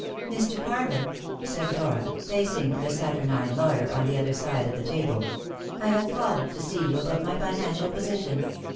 "Mr. Carver," said Dora, facing the saturnine lawyer on the other side of the table, "I have called to see you about my financial position.